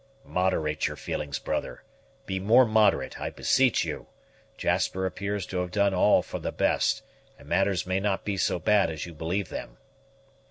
"Moderate your feelings, brother; be more moderate, I beseech you; Jasper appears to have done all for the best, and matters may not be so bad as you believe them."